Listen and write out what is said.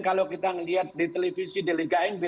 kalau kita lihat di televisi di liga nb